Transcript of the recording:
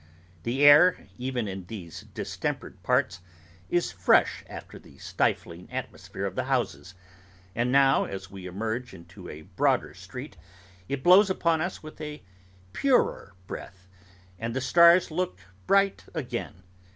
The air, even in these distempered parts, is fresh after the stifling atmosphere of the houses; and now, as we emerge into a broader street, it blows upon us with a purer breath, and the stars look bright again.